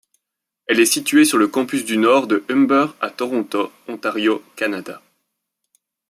Elle est située sur le campus du nord de Humber à Toronto, Ontario, Canada.